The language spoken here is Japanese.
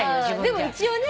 でも一応ね。